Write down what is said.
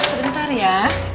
ya sebentar ya